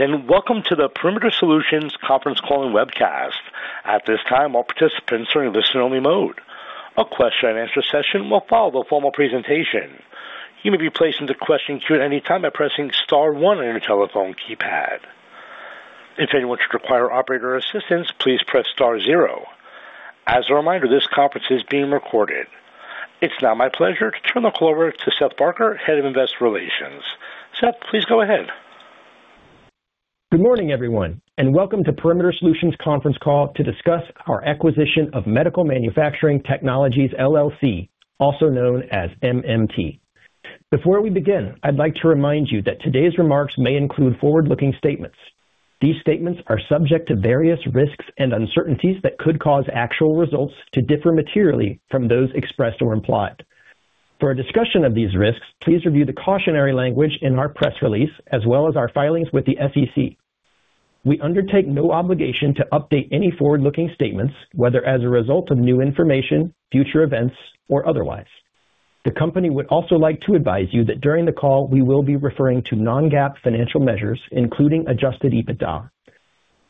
Welcome to the Perimeter Solutions conference call and webcast. At this time, all participants are in listen-only mode. A question-and-answer session will follow the formal presentation. You may be placed into question queue at any time by pressing star one on your telephone keypad. If anyone should require operator assistance, please press star zero. As a reminder, this conference is being recorded. It's now my pleasure to turn the floor over to Seth Barker, Head of Investor Relations. Seth, please go ahead. Good morning, everyone, and welcome to Perimeter Solutions conference call to discuss our acquisition of Medical Manufacturing Technologies LLC, also known as MMT. Before we begin, I'd like to remind you that today's remarks may include forward-looking statements. These statements are subject to various risks and uncertainties that could cause actual results to differ materially from those expressed or implied. For a discussion of these risks, please review the cautionary language in our press release as well as our filings with the SEC. We undertake no obligation to update any forward-looking statements, whether as a result of new information, future events, or otherwise. The company would also like to advise you that during the call, we will be referring to non-GAAP financial measures, including Adjusted EBITDA.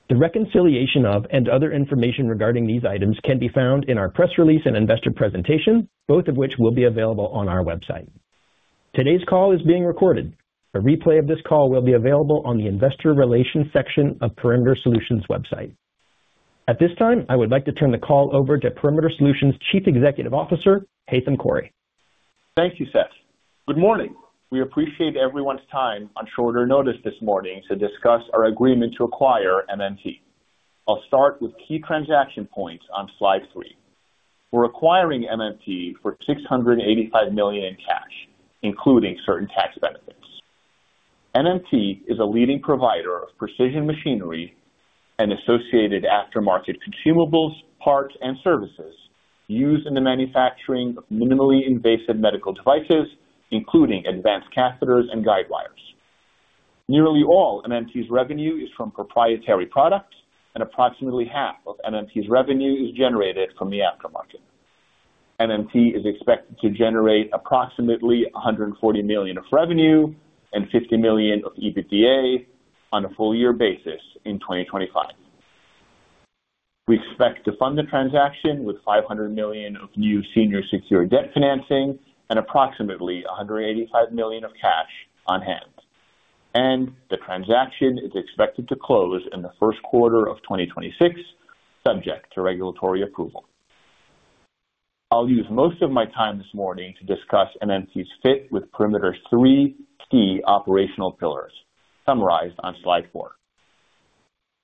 The reconciliation of and other information regarding these items can be found in our press release and investor presentation, both of which will be available on our website. Today's call is being recorded. A replay of this call will be available on the investor relations section of Perimeter Solutions' website. At this time, I would like to turn the call over to Perimeter Solutions' Chief Executive Officer, Haitham Khouri. Thank you, Seth. Good morning. We appreciate everyone's time on shorter notice this morning to discuss our agreement to acquire MMT. I'll start with key transaction points on slide three. We're acquiring MMT for $685 million in cash, including certain tax benefits. MMT is a leading provider of precision machinery and associated aftermarket consumables, parts, and services used in the manufacturing of minimally invasive medical devices, including advanced catheters and guidewires. Nearly all MMT's revenue is from proprietary products, and approximately half of MMT's revenue is generated from the aftermarket. MMT is expected to generate approximately $140 million of revenue and $50 million of EBITDA on a full-year basis in 2025. We expect to fund the transaction with $500 million of new secured debt financing and approximately $185 million of cash on hand. The transaction is expected to close in the first quarter of 2026, subject to regulatory approval. I'll use most of my time this morning to discuss MMT's fit with Perimeter's three key operational pillars, summarized on slide four.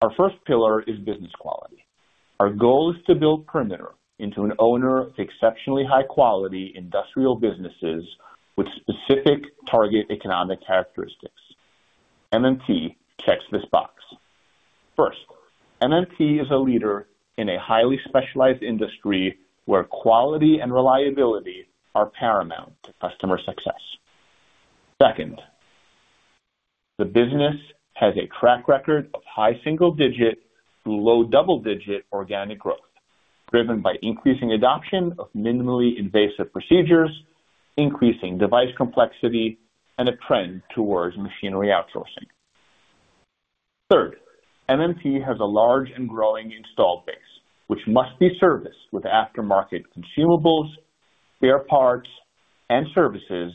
Our first pillar is business quality. Our goal is to build Perimeter into an owner of exceptionally high-quality industrial businesses with specific target economic characteristics. MMT checks this box. First, MMT is a leader in a highly specialized industry where quality and reliability are paramount to customer success. Second, the business has a track record of high single-digit to low double-digit organic growth, driven by increasing adoption of minimally invasive procedures, increasing device complexity, and a trend towards machinery outsourcing. Third, MMT has a large and growing installed base, which must be serviced with aftermarket consumables, spare parts, and services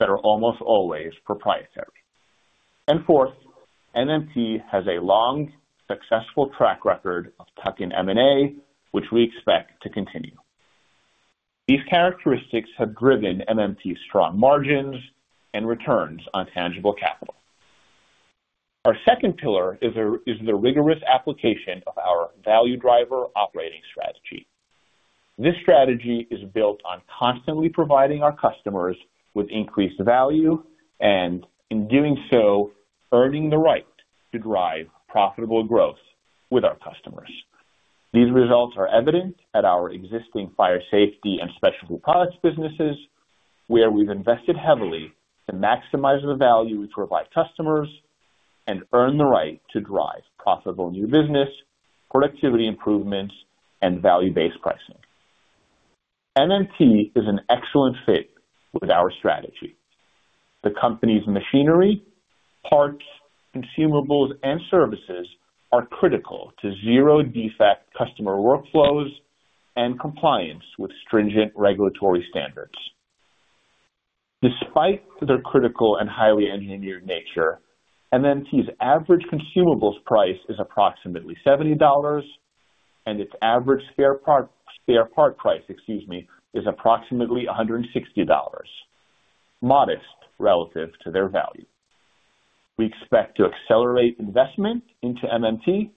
that are almost always proprietary. Fourth, MMT has a long, successful track record of tuck-in M&A, which we expect to continue. These characteristics have driven MMT's strong margins and returns on tangible capital. Our second pillar is the rigorous application of our Value Driver operating strategy. This strategy is built on constantly providing our customers with increased value and, in doing so, earning the right to drive profitable growth with our customers. These results are evident at our existing Fire Safety and Specialty Products businesses, where we've invested heavily to maximize the value we provide customers and earn the right to drive profitable new business, productivity improvements, and value-based pricing. MMT is an excellent fit with our strategy. The company's machinery, parts, consumables, and services are critical to zero-defect customer workflows and compliance with stringent regulatory standards. Despite their critical and highly engineered nature, MMT's average consumables price is approximately $70, and its average spare part price, excuse me, is approximately $160, modest relative to their value. We expect to accelerate investment into MMT,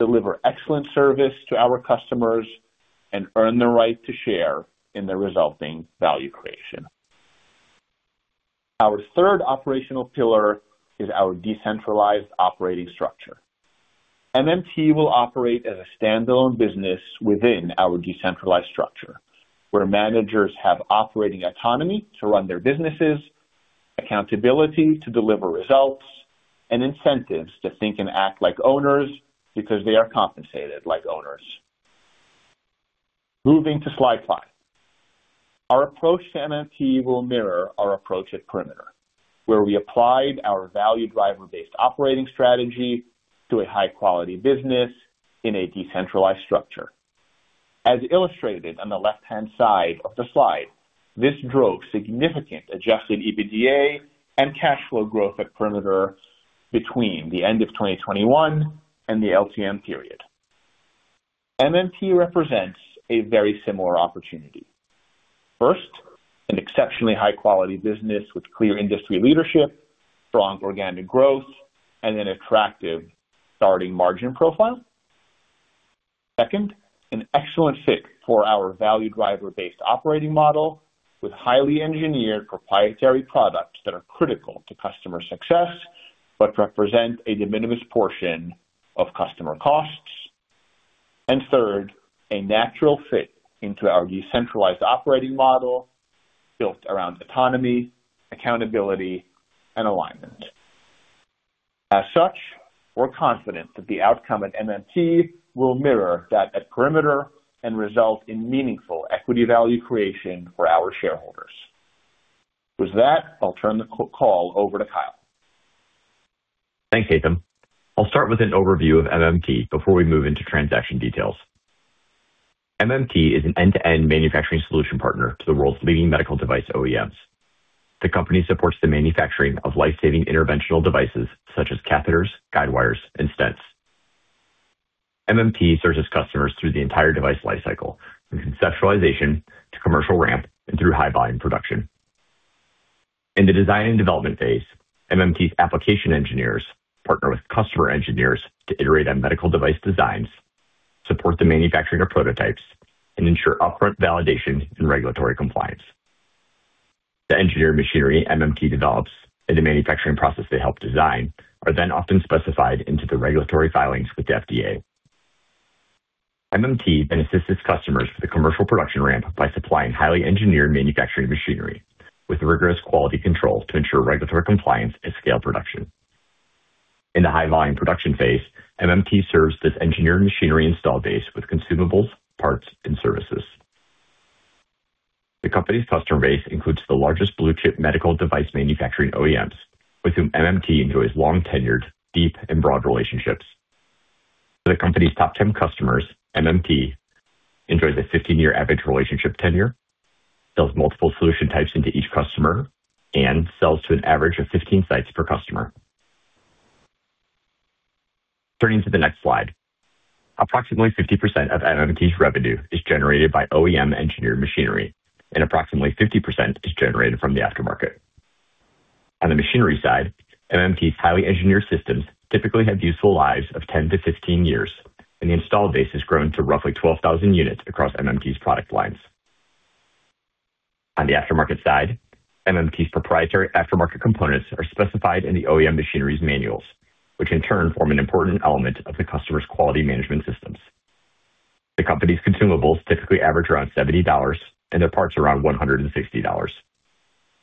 deliver excellent service to our customers, and earn the right to share in the resulting value creation. Our third operational pillar is our decentralized operating structure. MMT will operate as a standalone business within our decentralized structure, where managers have operating autonomy to run their businesses, accountability to deliver results, and incentives to think and act like owners because they are compensated like owners. Moving to slide five, our approach to MMT will mirror our approach at Perimeter, where we applied our Value Driver-based operating strategy to a high-quality business in a decentralized structure. As illustrated on the left-hand side of the slide, this drove significant Adjusted EBITDA and cash flow growth at Perimeter between the end of 2021 and the LTM period. MMT represents a very similar opportunity. First, an exceptionally high-quality business with clear industry leadership, strong organic growth, and an attractive starting margin profile. Second, an excellent fit for our Value Driver-based operating model with highly engineered proprietary products that are critical to customer success but represent a de minimis portion of customer costs. And third, a natural fit into our decentralized operating model built around autonomy, accountability, and alignment. As such, we're confident that the outcome at MMT will mirror that at Perimeter and result in meaningful equity value creation for our shareholders. With that, I'll turn the call over to Kyle. Thanks, Haitham. I'll start with an overview of MMT before we move into transaction details. MMT is an end-to-end manufacturing solution partner to the world's leading medical device OEMs. The company supports the manufacturing of lifesaving interventional devices such as catheters, guidewires, and stents. MMT serves its customers through the entire device lifecycle, from conceptualization to commercial ramp and through high-volume production. In the design and development phase, MMT application engineers partner with customer engineers to iterate on medical device designs, support the manufacturing of prototypes, and ensure upfront validation and regulatory compliance. The engineered machinery MMT develops and the manufacturing process they help design are then often specified into the regulatory filings with the FDA. MMT then assists its customers with the commercial production ramp by supplying highly engineered manufacturing machinery with rigorous quality control to ensure regulatory compliance and scale production. In the high-volume production phase, MMT serves this engineered machinery installed base with consumables, parts, and services. The company's customer base includes the largest blue-chip medical device manufacturing OEMs, with whom MMT enjoys long-tenured, deep, and broad relationships. For the company's top 10 customers, MMT enjoys a 15-year average relationship tenure, sells multiple solution types into each customer, and sells to an average of 15 sites per customer. Turning to the next slide, approximately 50% of MMT's revenue is generated by OEM engineered machinery, and approximately 50% is generated from the aftermarket. On the machinery side, MMT's highly engineered systems typically have useful lives of 10 to 15 years, and the installed base has grown to roughly 12,000 units across MMT's product lines. On the aftermarket side, MMT's proprietary aftermarket components are specified in the OEM machinery's manuals, which in turn form an important element of the customer's quality management systems. The company's consumables typically average around $70, and their parts around $160.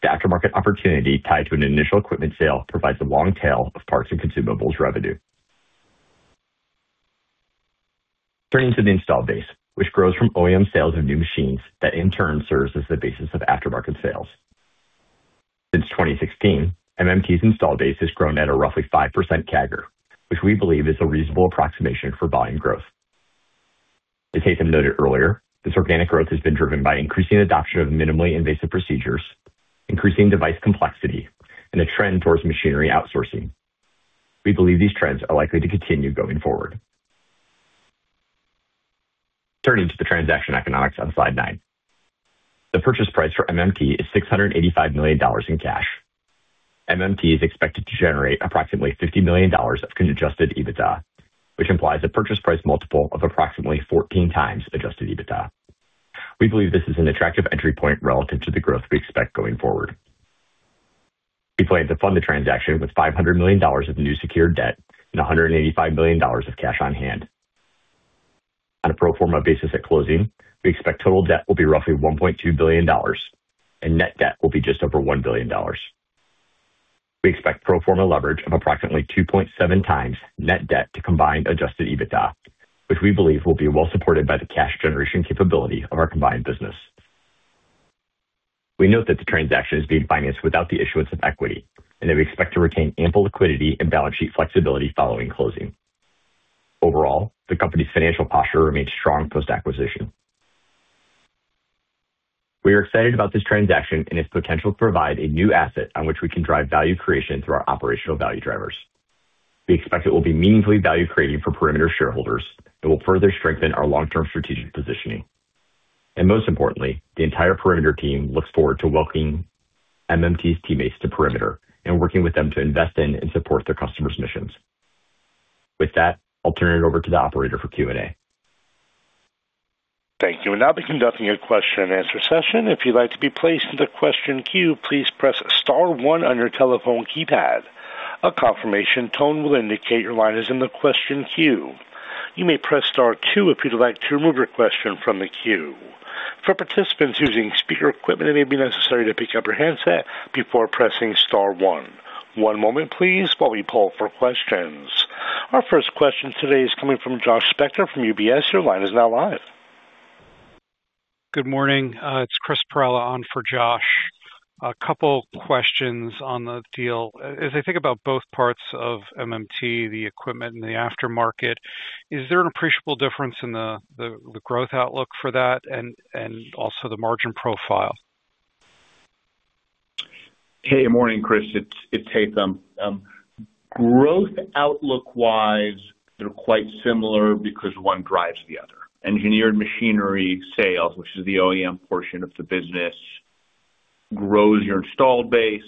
The aftermarket opportunity tied to an initial equipment sale provides a long tail of parts and consumables revenue. Turning to the installed base, which grows from OEM sales of new machines that in turn serves as the basis of aftermarket sales. Since 2016, MMT's installed base has grown at a roughly 5% CAGR, which we believe is a reasonable approximation for volume growth. As Haitham noted earlier, this organic growth has been driven by increasing adoption of minimally invasive procedures, increasing device complexity, and a trend towards machinery outsourcing. We believe these trends are likely to continue going forward. Turning to the transaction economics on slide nine, the purchase price for MMT is $685 million in cash. MMT is expected to generate approximately $50 million of Adjusted EBITDA, which implies a purchase price multiple of approximately 14 times Adjusted EBITDA. We believe this is an attractive entry point relative to the growth we expect going forward. We plan to fund the transaction with $500 million of new secured debt and $185 million of cash on hand. On a pro forma basis at closing, we expect total debt will be roughly $1.2 billion, and net debt will be just over $1 billion. We expect pro forma leverage of approximately 2.7 times net debt to combined Adjusted EBITDA, which we believe will be well supported by the cash generation capability of our combined business. We note that the transaction is being financed without the issuance of equity, and that we expect to retain ample liquidity and balance sheet flexibility following closing. Overall, the company's financial posture remains strong post-acquisition. We are excited about this transaction and its potential to provide a new asset on which we can drive value creation through our Operational Value Drivers. We expect it will be meaningfully value-creating for Perimeter shareholders and will further strengthen our long-term strategic positioning. And most importantly, the entire Perimeter team looks forward to welcoming MMT's teammates to Perimeter and working with them to invest in and support their customers' missions. With that, I'll turn it over to the operator for Q&A. Thank you. And now we'll be conducting a question-and-answer session. If you'd like to be placed in the question queue, please press star one on your telephone keypad. A confirmation tone will indicate your line is in the question queue. You may press star two if you'd like to remove your question from the queue. For participants using speaker equipment, it may be necessary to pick up your handset before pressing star one. One moment, please, while we pull for questions. Our first question today is coming from Josh Spector from UBS. Your line is now live. Good morning. It's Chris Perrella on for Josh. A couple of questions on the deal. As I think about both parts of MMT, the equipment and the aftermarket, is there an appreciable difference in the growth outlook for that and also the margin profile? Hey, good morning, Chris. It's Haitham. Growth outlook-wise, they're quite similar because one drives the other. Engineered machinery sales, which is the OEM portion of the business, grows your installed base,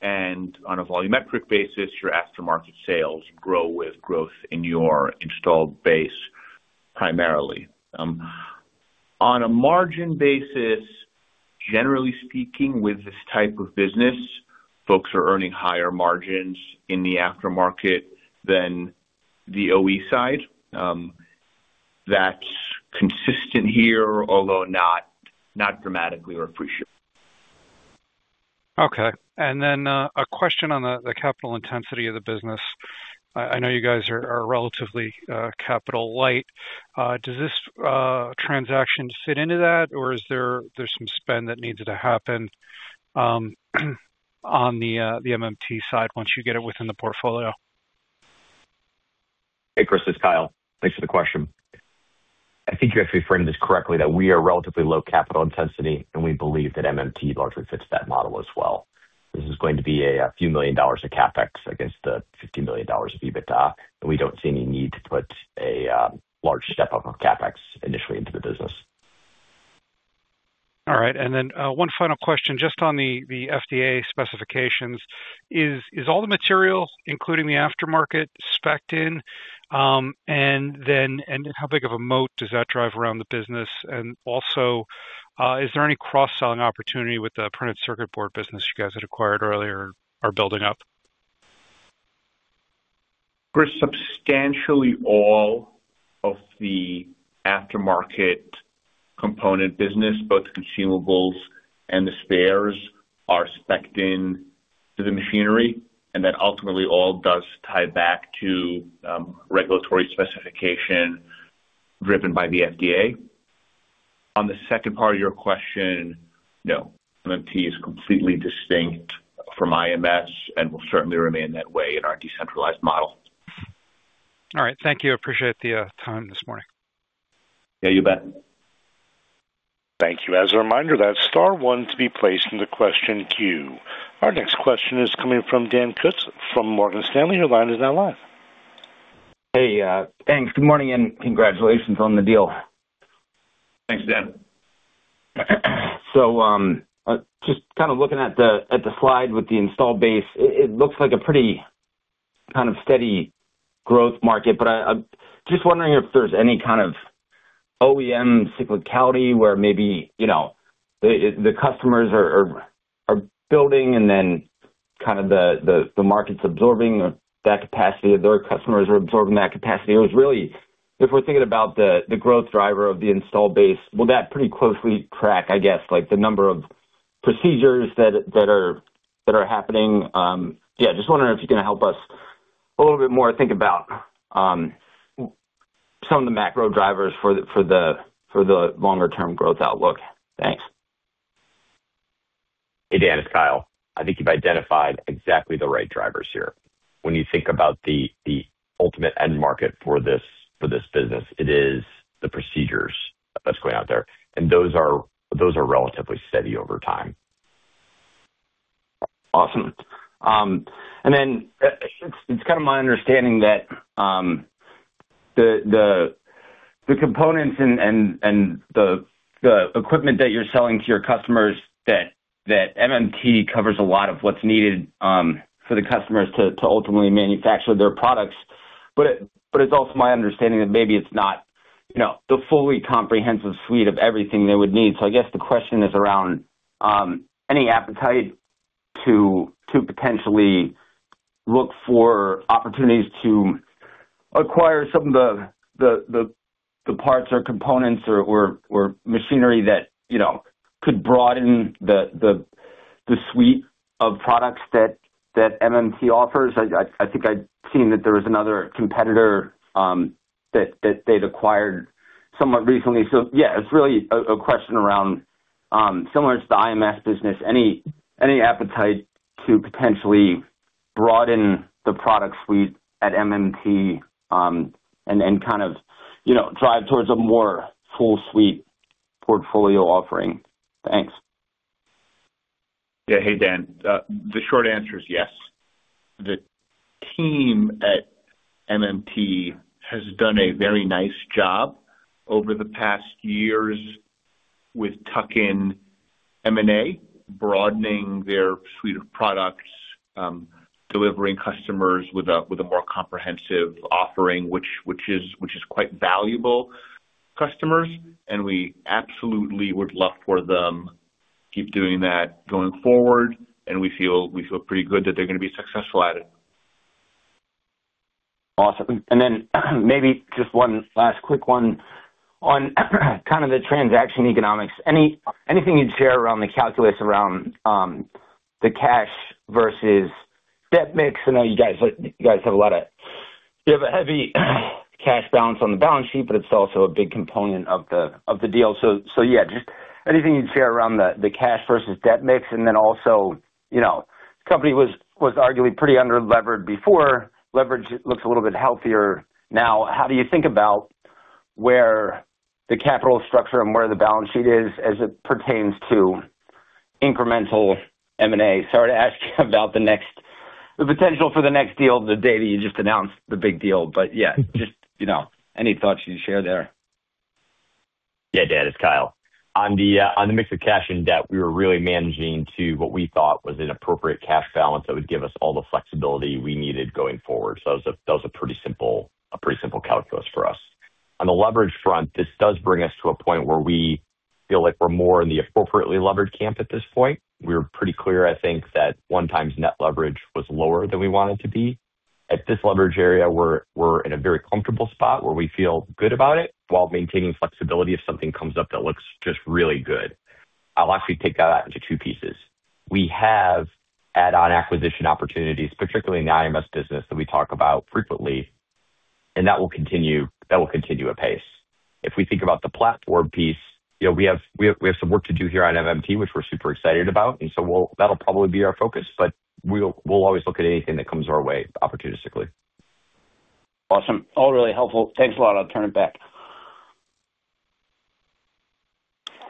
and on a volumetric basis, your aftermarket sales grow with growth in your installed base primarily. On a margin basis, generally speaking, with this type of business, folks are earning higher margins in the aftermarket than the OE side. That's consistent here, although not dramatically or appreciable. Okay. And then a question on the capital intensity of the business. I know you guys are relatively capital-light. Does this transaction fit into that, or is there some spend that needs to happen on the MMT side once you get it within the portfolio? Hey, Chris, it's Kyle. Thanks for the question. I think you actually framed this correctly, that we are relatively low capital intensity, and we believe that MMT largely fits that model as well. This is going to be a few million dollars of CapEx against the $50 million of EBITDA, and we don't see any need to put a large step up of CapEx initially into the business. All right. And then one final question just on the FDA specifications. Is all the material, including the aftermarket, specced in? And how big of a moat does that drive around the business? And also, is there any cross-selling opportunity with the printed circuit board business you guys had acquired earlier or building up? We're substantially all of the aftermarket component business, both consumables and the spares, are specced in to the machinery, and that ultimately all does tie back to regulatory specification driven by the FDA. On the second part of your question, no. MMT is completely distinct from IMS and will certainly remain that way in our decentralized model. All right. Thank you. Appreciate the time this morning. Yeah, you bet. Thank you. As a reminder, that's star one to be placed in the question queue. Our next question is coming from Dan Kutz from Morgan Stanley. Your line is now live. Hey, thanks. Good morning and congratulations on the deal. Thanks, Dan. So just kind of looking at the slide with the installed base, it looks like a pretty kind of steady growth market, but I'm just wondering if there's any kind of OEM cyclicality where maybe the customers are building and then kind of the market's absorbing that capacity, or their customers are absorbing that capacity. It was really, if we're thinking about the growth driver of the installed base, will that pretty closely track, I guess, the number of procedures that are happening? Yeah, just wondering if you can help us a little bit more think about some of the macro drivers for the longer-term growth outlook. Thanks. Hey, Dan, it's Kyle. I think you've identified exactly the right drivers here. When you think about the ultimate end market for this business, it is the procedures that's going out there. And those are relatively steady over time. Awesome. And then it's kind of my understanding that the components and the equipment that you're selling to your customers, that MMT covers a lot of what's needed for the customers to ultimately manufacture their products. But it's also my understanding that maybe it's not the fully comprehensive suite of everything they would need. So I guess the question is around any appetite to potentially look for opportunities to acquire some of the parts or components or machinery that could broaden the suite of products that MMT offers. I think I've seen that there was another competitor that they'd acquired somewhat recently. So yeah, it's really a question around, similar to the IMS business, any appetite to potentially broaden the product suite at MMT and kind of drive towards a more full suite portfolio offering. Thanks. Yeah, hey, Dan. The short answer is yes. The team at MMT has done a very nice job over the past years with tuck-in M&A, broadening their suite of products, delivering customers with a more comprehensive offering, which is quite valuable to customers, and we absolutely would love for them to keep doing that going forward, and we feel pretty good that they're going to be successful at it. Awesome. And then maybe just one last quick one on kind of the transaction economics. Anything you'd share around the calculus around the cash versus debt mix? I know you guys have a heavy cash balance on the balance sheet, but it's also a big component of the deal. So yeah, just anything you'd share around the cash versus debt mix. And then also, the company was arguably pretty under-levered before. Leverage looks a little bit healthier now. How do you think about where the capital structure and where the balance sheet is as it pertains to incremental M&A? Sorry to ask you about the potential for the next deal, the deal you just announced, the big deal. But yeah, just any thoughts you'd share there? Yeah, Dan, it's Kyle. On the mix of cash and debt, we were really managing to what we thought was an appropriate cash balance that would give us all the flexibility we needed going forward. So that was a pretty simple calculus for us. On the leverage front, this does bring us to a point where we feel like we're more in the appropriately leveraged camp at this point. We were pretty clear, I think, that one times net leverage was lower than we wanted to be. At this leverage area, we're in a very comfortable spot where we feel good about it while maintaining flexibility if something comes up that looks just really good. I'll actually take that out into two pieces. We have add-on acquisition opportunities, particularly in the IMS business that we talk about frequently, and that will continue at pace. If we think about the platform piece, we have some work to do here on MMT, which we're super excited about, and so that'll probably be our focus, but we'll always look at anything that comes our way opportunistically. Awesome. All really helpful. Thanks a lot. I'll turn it back.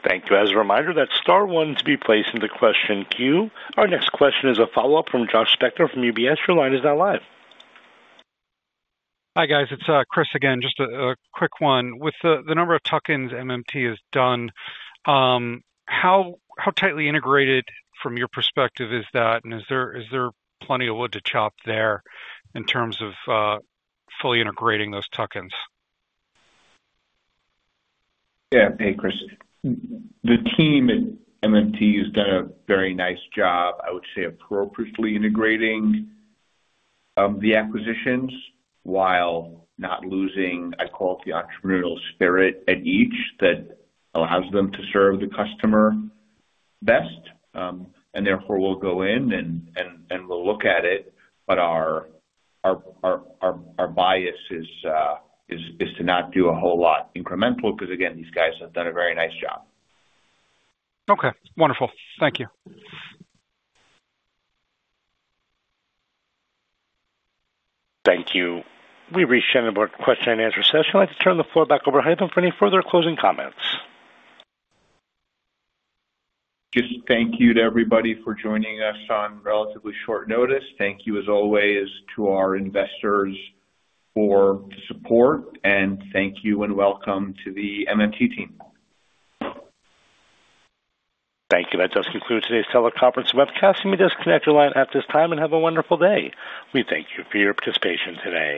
Thank you. As a reminder, that's star one to be placed in the question queue. Our next question is a follow-up from Josh Spector from UBS. Your line is now live. Hi guys. It's Chris again. Just a quick one. With the number of tuck-ins MMT is done, how tightly integrated from your perspective is that? And is there plenty of wood to chop there in terms of fully integrating those tuck-ins? Yeah. Hey, Chris. The team at MMT has done a very nice job, I would say, appropriately integrating the acquisitions while not losing, I call it, the entrepreneurial spirit at each that allows them to serve the customer best. And therefore, we'll go in and we'll look at it, but our bias is to not do a whole lot incremental because, again, these guys have done a very nice job. Okay. Wonderful. Thank you. Thank you. We reached the end of our question and answer session. I'd like to turn the floor back over to Haitham for any further closing comments. Just thank you to everybody for joining us on relatively short notice. Thank you as always to our investors for the support, and thank you and welcome to the MMT team. Thank you. That does conclude today's teleconference webcast. You may just connect your line at this time and have a wonderful day. We thank you for your participation today.